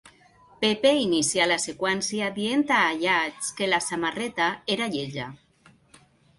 Pepe inicià la seqüència dient a Ayats que la samarreta era lletja.